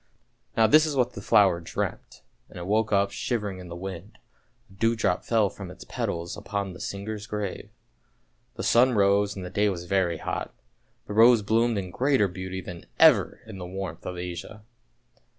" Now this is what the flower dreamt, and it woke up shiver ing in the wind; a dew drop fell from its petals upon the singer's grave. The sun rose and the day was very hot, the rose bloomed in greater beauty than ever in the warmth of Asia.